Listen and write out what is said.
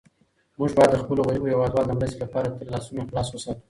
موږ باید د خپلو غریبو هېوادوالو د مرستې لپاره تل لاسونه خلاص وساتو.